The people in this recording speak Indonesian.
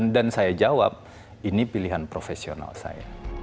dan saya jawab ini pilihan profesional saya